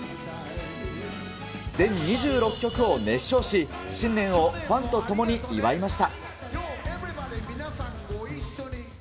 全２６曲を熱唱し、新年をファンと共に祝いました。